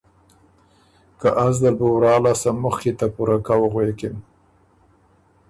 که از دل بُو ورا لاسته مُخکی ته پُوره کؤ غوېکِن